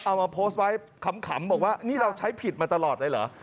เอามาโพสต์ไว้ขำบอกว่านี่เราใช้ผิดมาตลอดเลยเหรอ